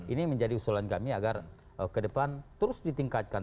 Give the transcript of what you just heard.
ini menjadi usulan kami agar ke depan terus ditingkatkan